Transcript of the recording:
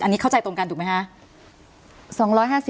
อันนี้เข้าใจตรงกันถูกไหมคะ